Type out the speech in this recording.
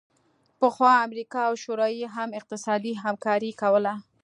پخوا امریکا او شوروي هم اقتصادي همکاري کوله